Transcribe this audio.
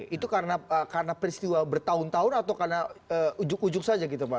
itu karena peristiwa bertahun tahun atau karena ujuk ujug saja gitu pak